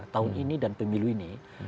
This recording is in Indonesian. tahun ini dan pemilu ini